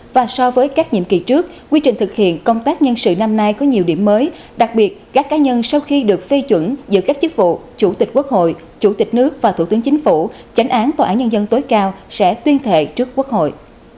và so với các nhiệm kỳ trước quy trình thực hiện công tác nhân sự năm nay có nhiều điểm mới đặc biệt các cá nhân sau khi được phê chuẩn giữa các chức vụ chủ tịch quốc hội chủ tịch nước và thủ tướng chính phủ tránh án tòa án nhân dân tối cao sẽ tuyên thệ trước quốc hội